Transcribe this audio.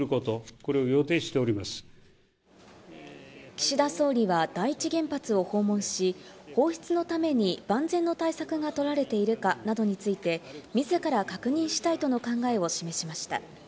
岸田総理は第一原発を訪問し、放出のために万全の対策が取られているかなどについて自ら確認したいとの考えを示しました。